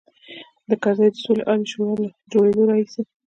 د کرزي د سولې عالي شورا له جوړېدلو راهیسې.